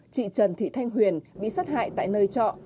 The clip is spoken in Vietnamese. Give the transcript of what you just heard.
chị trần thị thanh huyền bị sát hại tại nơi trọ